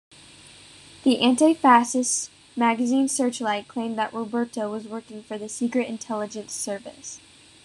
The anti-fascist magazine "Searchlight" claimed that Roberto was working for the Secret Intelligence Service.